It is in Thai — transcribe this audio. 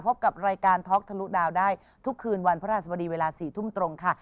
พบกับรายการท็อกทะลุดาวได้ทุกคืนวันพระราชบดีเวลา๔ทุ่มตรงค่ะ